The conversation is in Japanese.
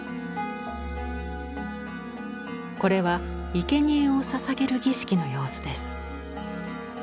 これはいけにえをささげる儀式の様子です。